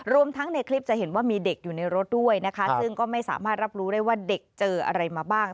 ทั้งในคลิปจะเห็นว่ามีเด็กอยู่ในรถด้วยนะคะซึ่งก็ไม่สามารถรับรู้ได้ว่าเด็กเจออะไรมาบ้าง